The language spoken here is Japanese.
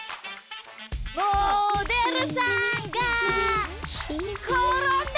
モデルさんがころんだ！